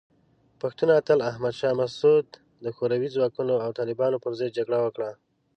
پښتون اتل احمد شاه مسعود د شوروي ځواکونو او طالبانو پر ضد جګړه وکړه.